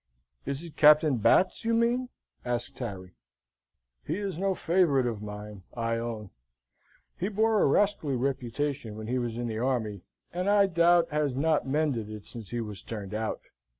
"Is it Captain Batts you mean?" asked Harry. "He is no favourite of mine, I own; he bore a rascally reputation when he was in the army, and I doubt has not mended it since he was turned out.